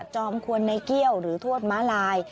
จอมควณไหนเกี่ยวหรือถวดมะลาย